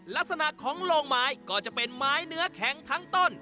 ลักษณะของโรงไม้ก็จะเป็นไม้เนื้อแข็งทั้งต้น